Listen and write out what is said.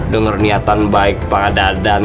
dengar niatan baik pak dadan